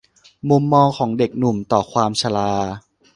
มุมมองของเด็กหนุ่มต่อความชรา